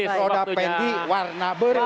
roda pendek warna berwarna